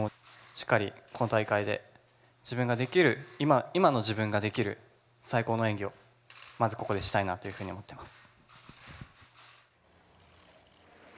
しっかりこの大会で今の自分ができる最高の演技をまずここでしたいなというふうに思ってます。